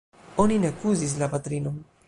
Oni ne akuzis la patrinon.